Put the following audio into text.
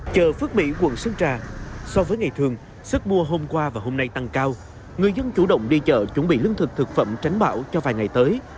chợ phước mỹ quận sơn trà so với ngày thường sức mua hôm qua và hôm nay tăng cao người dân chủ động đi chợ chuẩn bị lương thực thực phẩm tránh bão cho vài ngày tới